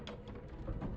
bantu aja pak welpegolo